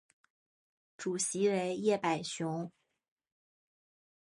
主席为叶柏雄。